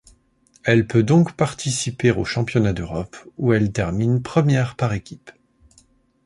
Elle peut donc participer au championnat d'Europe où elle termine première par équipe.